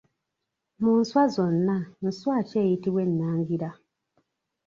Mu nswa zonna, nswa ki eyitibwa ennangira?